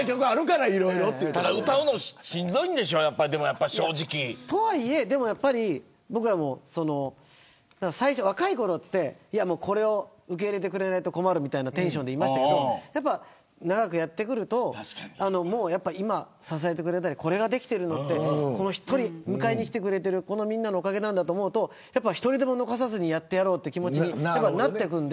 ただ、歌うのとはいえ、僕らも若いころはこれを受け入れてくれないと困るみたいなテンションでいましたけど長くやってくるとこれができているのは迎えに来てくれているみんなのおかげだと思うと１人も残さずにやってやろうという気持ちになるので。